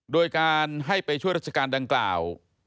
โดยการให้ไปช่วยราชการดังกล่าว